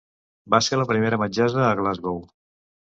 Va ser la primera metgessa a Glasgow.